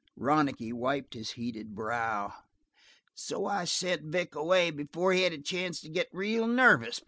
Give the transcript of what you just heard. Ronicky wiped his heated brow. "So I sent Vic away before he had a chance to get real nervous.